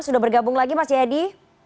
sudah bergabung lagi mas jayadi